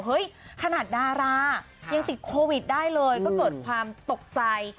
ขนาดดารายังติดโควิดได้เลยก็เกิดความตกใจ